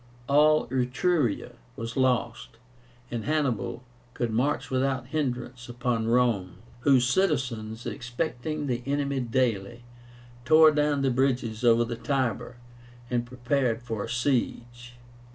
All Etruria was lost, and Hannibal could march without hindrance upon Rome, whose citizens, expecting the enemy daily, tore down the bridges over the Tiber and prepared for a siege.